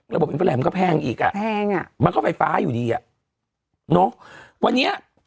อุบลมันก็แพงอีกอ่ะแพงอ่ะมันก็ไฟฟ้าอยู่ดีอ่ะเนอะวันนี้